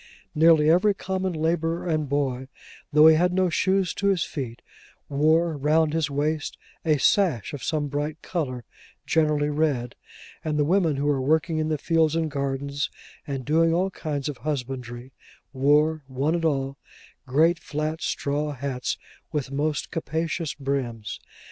Nearly every common labourer and boy, though he had no shoes to his feet, wore round his waist a sash of some bright colour: generally red: and the women, who were working in the fields and gardens, and doing all kinds of husbandry, wore, one and all, great flat straw hats with most capacious brims.